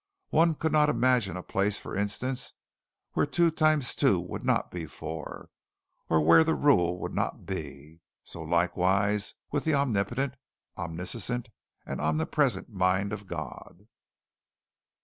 One could not imagine a place for instance where two times two would not be four, or where that rule would not be. So, likewise with the omnipotent, omniscient, omnipresent mind of God.